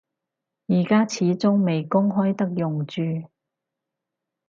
而家始終未公開得用住